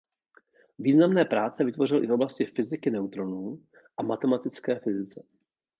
Významné práce vytvořil i v oblasti fyziky neutronů a matematické fyzice.